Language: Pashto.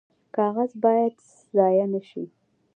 کاغذ باید ضایع نشي